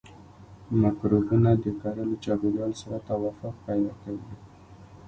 مکروبونه د کرلو چاپیریال سره توافق پیدا کوي.